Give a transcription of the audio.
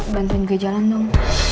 bantuin gue jalan dong